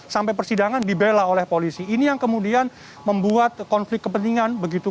sampai persidangan dibela oleh polisi ini yang kemudian membuat konflik kepentingan begitu